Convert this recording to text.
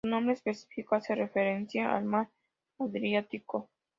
Su nombre específico hace referencia al mar Adriático.